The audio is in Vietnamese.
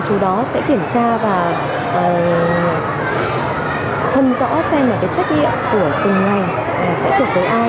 chú đó sẽ kiểm tra và khân rõ xem là cái trách nhiệm của từng ngày sẽ kết hợp với ai